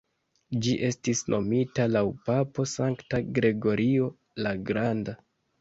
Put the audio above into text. Ĝi estis nomita laŭ papo Sankta Gregorio la Granda.